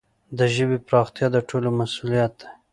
د ژبي پراختیا د ټولو مسؤلیت دی.